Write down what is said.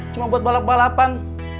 cuma buat balap balapan